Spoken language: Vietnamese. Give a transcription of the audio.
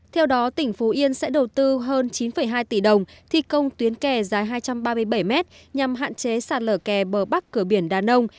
theo đó tỉnh phú yên sẽ đầu tư hơn chín hai tỷ đồng thi công tuyến kè dài hai trăm ba mươi bảy mét nhằm hạn chế sạt lở kè bờ bắc cửa biển đà nông